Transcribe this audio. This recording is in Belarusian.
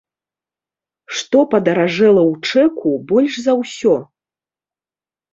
Што падаражэла ў чэку больш за ўсё?